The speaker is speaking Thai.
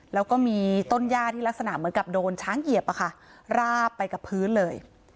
แล้วก็มีต้นย่าที่ลักษณะเหมือนกับโดนช้างเหยียบราบไปกับพื้นเลย